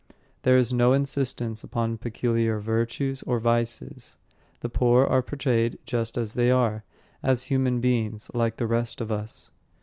There is no insistence upon peculiar virtues or vices. The poor are portrayed just as they are, as human beings like the rest of us.